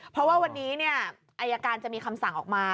เพราะว่าวันนี้อายการจะมีคำสั่งออกมา